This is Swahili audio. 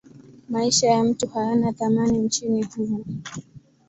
Maisha ya mtu hayana thamani nchini humo.